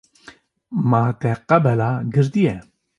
Ma te qebale girtiye.